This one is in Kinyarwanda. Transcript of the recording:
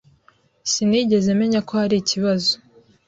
Sinigeze menya ko hari ikibazo.